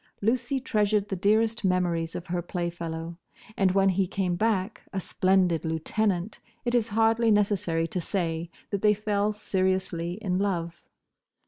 Lucy treasured the dearest memories of her playfellow, and when he came back, a splendid lieutenant, it is hardly necessary to say that they fell seriously in love.